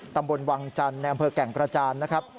ตำบลวังจันทร์ในอำเภอแก่งกระจานนะครับ